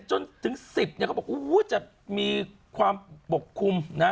๗จนถึง๑๐เนี่ยเขาบอกมีปกคลุมนะ